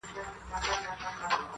او اسلامي مشروعيت